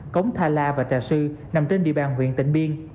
cống tha la và trà sư nằm trên địa bàn huyện tỉnh biên